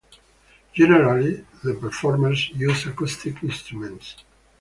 Generally, the performers used acoustic instruments.